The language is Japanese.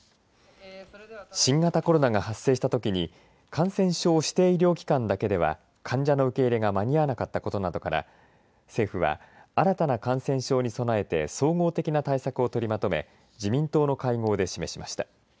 新型コロナが発生したときに感染症指定医療機関だけでは患者の受け入れが間に合わなかったことなどから政府は、新たな感染症に備えて総合的な対策を取りまとめ自民党の会合で示しました。